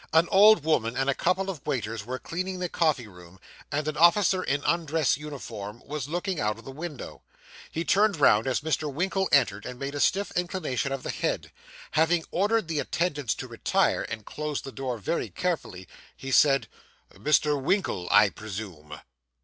An old woman and a couple of waiters were cleaning the coffee room, and an officer in undress uniform was looking out of the window. He turned round as Mr. Winkle entered, and made a stiff inclination of the head. Having ordered the attendants to retire, and closed the door very carefully, he said, 'Mr. Winkle, I presume?